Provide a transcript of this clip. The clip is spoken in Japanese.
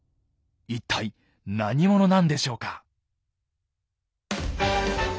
一体何者なんでしょうか？